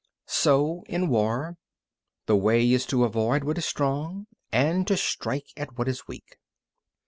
30. So in war, the way is to avoid what is strong and to strike at what is weak.